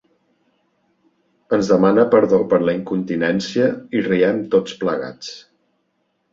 Ens demana perdó per la incontinència i riem tots plegats.